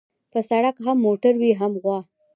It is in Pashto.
په سړک هم موټر وي هم غوا.